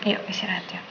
yuk istirahat ya